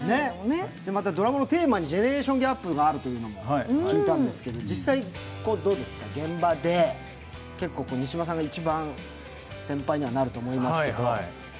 ドラマのテーマにジェネレーションギャップがあるって聞いたんですけど実際、どうですか、現場で結構西島さんが一番先輩にはなると思いますけど。